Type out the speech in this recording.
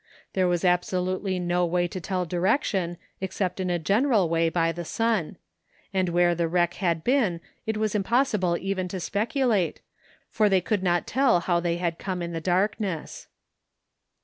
There was absolutely no way to tell direction except in a general way by the sun; and where the wreck had been it was impossible even to speculate, for they could not tell how they had come in the darkness.